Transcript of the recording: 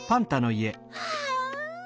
はあ。